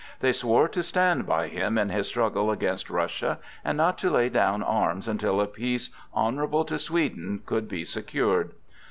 They swore to stand by him in his struggle against Russia, and not to lay down arms until a peace honorable to Sweden could be secured.